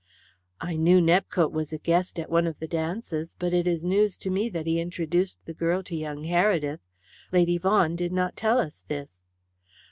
"I knew Nepcote was a guest at one of the dances, but it is news to me that he introduced the girl to young Heredith. Lady Vaughan did not tell us this."